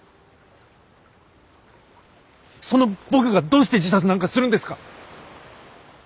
その僕がどうして自殺なんかするんですか？